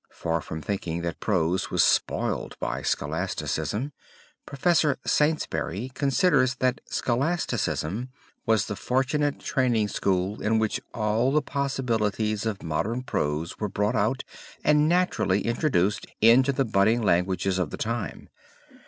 Far from thinking that prose was spoiled by scholasticism. Prof. Saintsbury considers that scholasticism was the fortunate training school in which all the possibilities of modern prose were brought out and naturally introduced into the budding languages of the time.